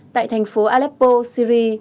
tại thành phố aleppo syri